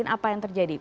apa yang terjadi